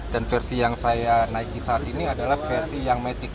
dan versi yang saya naiki saat ini adalah versi yang metik